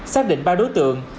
xác định ba đối tượng